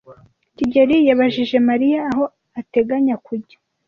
kigeli yabajije Mariya aho ateganya kujya.